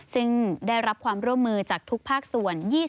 ซึ่งได้รับความร่วมมือจากทุกภาคส่วน